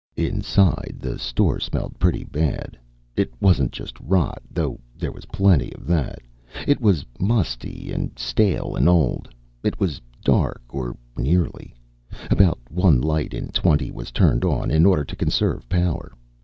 Inside, the store smelled pretty bad. It wasn't just rot, though there was plenty of that; it was musty and stale and old. It was dark, or nearly. About one light in twenty was turned on, in order to conserve power.